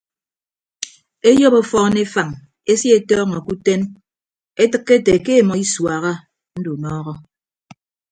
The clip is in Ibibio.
Eyop ọfọọn efañ esie ọtọọñọ ke uten etịkke ete ke emọ isuaha ndunọọhọ.